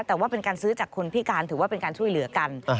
แต่ว่าเป็นการซื้อจากคนพิการถือว่าเป็นการช่วยเหลือกัน